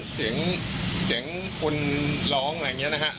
เสียงคนร้องอะไรอย่างนี้นะครับ